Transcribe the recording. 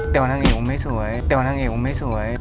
เต๋วน้ำเหงกูไม่สวย